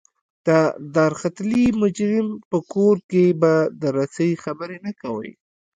د دارختلي مجرم په کور کې به د رسۍ خبرې نه کوئ.